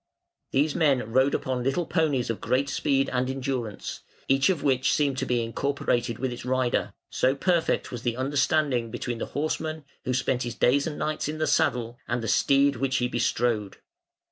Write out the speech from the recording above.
These men rode upon little ponies of great speed and endurance, each of which seemed to be incorporated with its rider, so perfect was the understanding between the horseman, who spent his days and nights in the saddle, and the steed which he bestrode.